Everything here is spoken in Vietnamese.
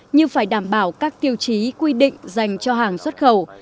như phải đảm bảo các tiêu chí quy định dành cho hàng xuất khẩu